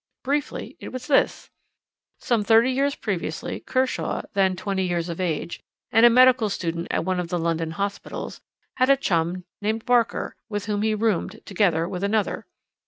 Briefly it was this: Some thirty years previously, Kershaw, then twenty years of age, and a medical student at one of the London hospitals, had a chum named Barker, with whom he roomed, together with another.